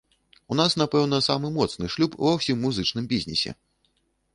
У нас, напэўна, самы моцны шлюб ва ўсім музычным бізнесе.